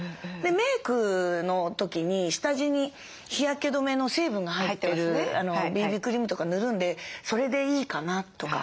メークの時に下地に日焼け止めの成分が入ってるＢＢクリームとか塗るんでそれでいいかなとか。